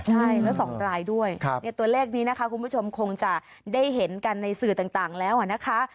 ใช่แล้ว๒รายด้วยตัวเลขนี้นะคะคุณผู้ชมคงจะได้เห็นกันในสื่อต่างแล้วนะคะ